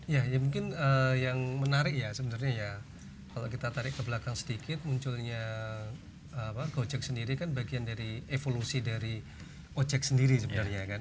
ya mungkin yang menarik ya sebenarnya ya kalau kita tarik ke belakang sedikit munculnya gojek sendiri kan bagian dari evolusi dari ojek sendiri sebenarnya kan